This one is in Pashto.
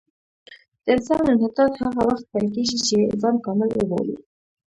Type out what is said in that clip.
د انسان انحطاط هغه وخت پیل کېږي چې ځان کامل وبولي.